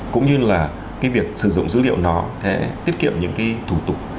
cũng như là cái việc sử dụng dữ liệu nó sẽ tiết kiệm những cái thủ tục